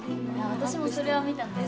私もそれは見たんだよ